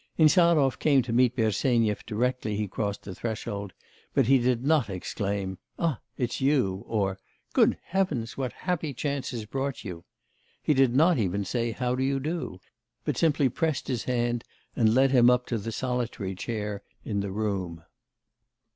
Insarov came to meet Bersenyev directly he crossed the threshold, but he did not exclaim, 'Ah, it's you!' or 'Good Heavens, what happy chance has brought you?' He did not even say, 'How do you do?' but simply pressed his hand and led him up to the solitary chair in the room.